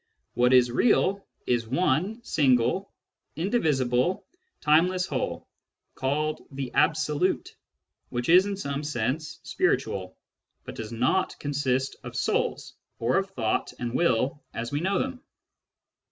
What is real is one single, indivisible, timeless whole, called the Absolute, which is in some sense spiritual, but does not consist of souls, or of thought and will as we know them.